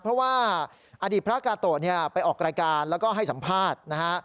เพราะว่าอดีตพระกาโตะเนี่ยไปออกรายการแล้วก็ให้สัมภาษณ์นะฮะ